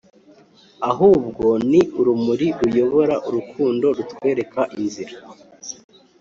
ahubwo ni urumuri ruyobora urukundo rutwereka inzira.